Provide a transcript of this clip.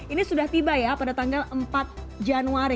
ini sudah tiba ya pada tanggal empat januari